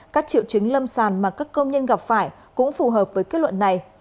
các triệu chứng lâm sàng mà các công nhân gặp phải cũng phù hợp với kết luận này